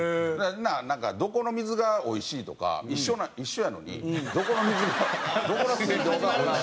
なんかどこの水がおいしいとか一緒やのにどこの水がどこの水道がおいしいとか。